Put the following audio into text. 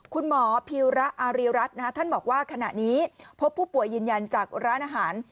คุณหมอพีระอารีรัฐท่านบอกว่าขณะนี้พบผู้ป่วยยืนยันจากร้านอาหาร